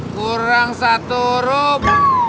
kurang satu huruf